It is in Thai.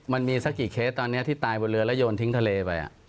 มันมีสักกี่เคสตอนนี้ที่ตายบนเรือแล้วโยนทิ้งทะเลไป